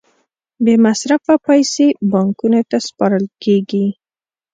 بې مصرفه پیسې بانکونو ته سپارل کېږي